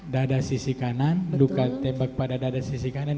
dada sisi kanan luka tembak pada dada sisi kanan